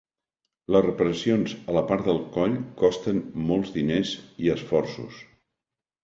Les reparacions a la part del coll costen molts diners i esforços.